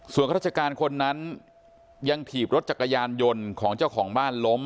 ส่วนข้าราชการคนนั้นยังถีบรถจักรยานยนต์ของเจ้าของบ้านล้ม